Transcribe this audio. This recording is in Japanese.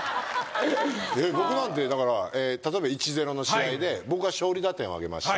僕なんてだから例えば１−０の試合で僕が勝利打点を挙げました。